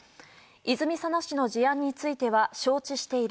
泉佐野市の事案については承知している。